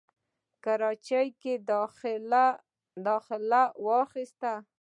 کراچۍ کښې داخله واخسته،